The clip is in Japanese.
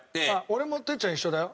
俺も哲ちゃん一緒だよ。